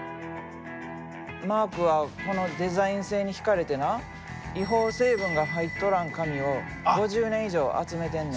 マークはこのデザイン性に惹かれてな違法成分が入っとらん紙を５０年以上集めてんねん。